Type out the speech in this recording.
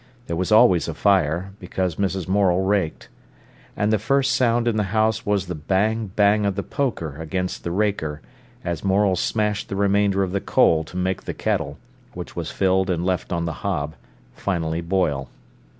There was always a fire, because Mrs. Morel raked. And the first sound in the house was the bang, bang of the poker against the raker, as Morel smashed the remainder of the coal to make the kettle, which was filled and left on the hob, finally boil.